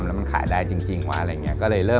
ก็เลยเริ่มลองทำชิ้นที่จริงจังขึ้นใหญ่ขึ้นดูอะไรอย่างนี้